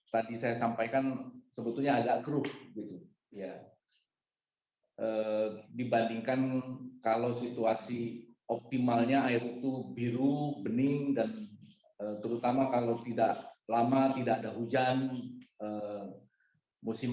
dan kami berkomunikasi dengan old system